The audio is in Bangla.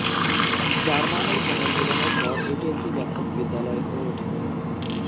জার্মানির পুনর্মিলনের পর এটি একটি ব্যাপক বিদ্যালয় হয়ে ওঠে।